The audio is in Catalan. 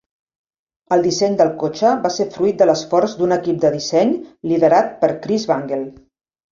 El disseny del cotxe va ser fruit de l'esforç d'un equip de disseny liderat per Chris Bangle.